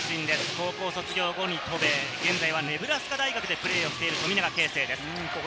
高校卒業後に渡米、現在はネブラスカ大学でプレーをしている富永啓生です。